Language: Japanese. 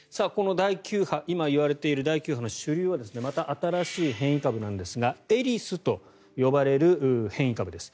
今言われている第９波の主流はまた新しい変異株なんですがエリスと呼ばれる変異株です。